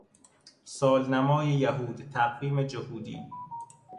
سالنمای یهود، تقویم جهودی